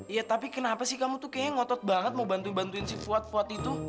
iya tapi kenapa sih kamu tuh kayaknya ngotot banget mau bantu bantuin si fuad fuad itu